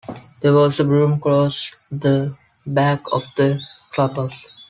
There was a broom closet in the back of the clubhouse.